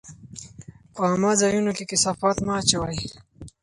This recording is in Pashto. په عامه ځایونو کې کثافات مه اچوئ.